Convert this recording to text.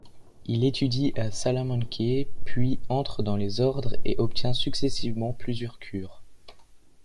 Il étudie à Salamanque puis entre dans les ordres et obtient successivement plusieurs cures.